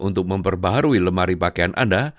untuk memperbaharui lemari pakaian anda